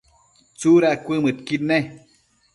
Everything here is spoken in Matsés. ¿tsudad cuëdmëdquid ne?